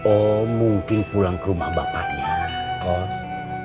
oh mungkin pulang ke rumah bapaknya kos